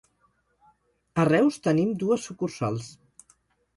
A Reus tenim dues sucursals.